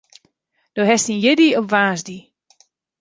Do hast dyn jierdei op woansdei.